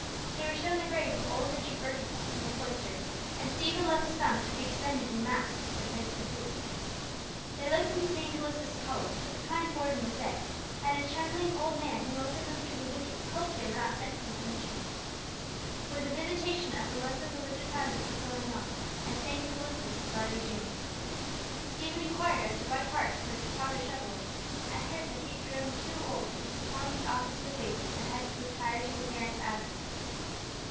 They were shown the grave of old Richard Birkenholt in the cloister, and Stephen left a sum to be expended in masses for his behoof. They looked into St. Elizabeth's College, but the kind warden was dead, and a trembling old man who looked at them through the wicket hoped they were not sent from the Commissioners. For the visitation of the lesser religious houses was going on, and St. Elizabeth's was already doomed. Stephen inquired at the White Hart for Father Shoveller, and heard that he had grown too old to perform the office of a bailiff, and had retired to the parent abbey.